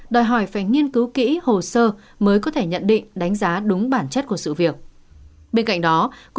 đòi hỏi phải nghiên cứu kỹ hồ sơ mới có thể nhận được